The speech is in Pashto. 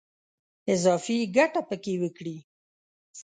اضافي ګټه په کې وکړي.